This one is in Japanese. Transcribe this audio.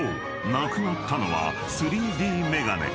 なくなったのは３Ｄメガネ］